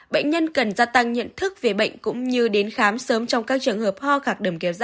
bệnh nhân cần gia tăng nhận thức về bệnh cũng như đến khám sớm trong các trường hợp ho khạc đầm kéo dài